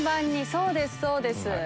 そうですそうです。